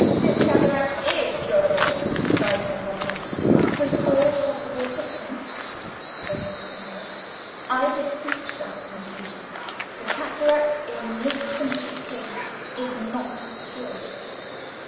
"This cataracts is curable!" cried Herr Grosse. "With all possible deference," said Mr. Sebright, "I dispute that conclusion. The cataract, in Miss Finch's case, is not curable."